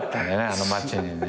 あの街にね。